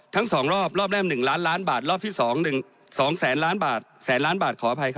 ทั้งสองรอบรอบแรกม์๑ล้านล้านบาทรอบที่สอง๒แสนล้านบาท